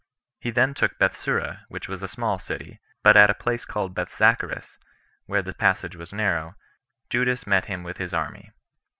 He then took Bethsura, which was a small city; but at a place called Bethzacharis, where the passage was narrow, Judas met him with his army.